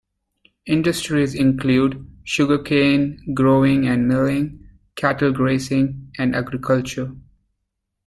Industries include sugar cane growing and milling, cattle grazing and agriculture.